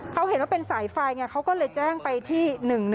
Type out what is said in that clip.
เขาเห็นว่าเป็นสายไฟไงเขาก็เลยแจ้งไปที่๑๑